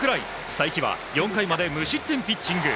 才木は４回まで無失点ピッチング。